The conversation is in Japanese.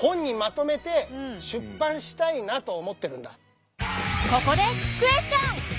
以前からここでクエスチョン！